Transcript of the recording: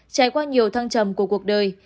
trải qua nhiều thăng trầm của cuộc đời